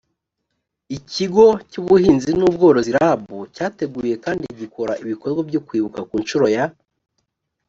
ikigo cy ubuhinzi n ubworozi rab cyateguye kandi gikora ibikorwa byo kwibuka ku nshuro ya